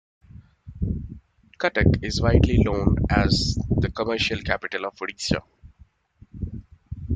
Cuttack is widely known as the commercial capital of Odisha.